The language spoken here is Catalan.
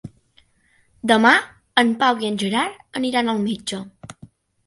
Demà en Pau i en Gerard aniran al metge.